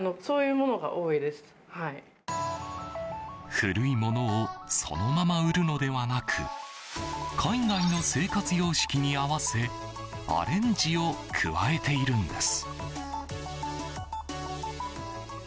古いものをそのまま売るのではなく海外の生活様式に合わせアレンジを加えているんです。